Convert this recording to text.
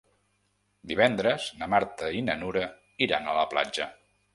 Divendres na Marta i na Nura iran a la platja.